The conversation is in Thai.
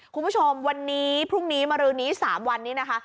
คุณผู้ชมวันนี้พรุ่งนี้มารือนี้๓วันนี้นะคะ